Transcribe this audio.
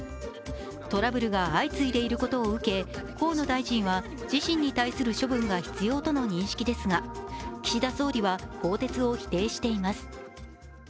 トラブルが相次いでいることを受け、河野大臣は自身に対する処分が必要との認識ですが岸田総理は更迭を否定しています。